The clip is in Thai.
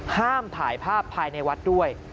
ห้ามถ่ายภาพภายในวัดด้วย